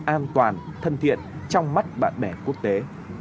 an toàn thân thiện trong mắt bạn bè quốc tế